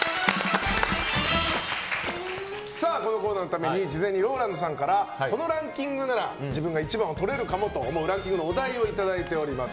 このコーナーのために事前にＲＯＬＡＮＤさんからこのランキングなら自分が一番をとれるかもと思うランキングのお題をいただいております。